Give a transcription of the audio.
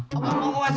masih dulu lah